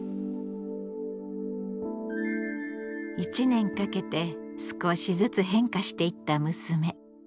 １年かけて少しずつ変化していった娘。